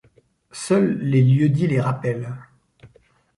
Seuls les lieux-dits les rappellent.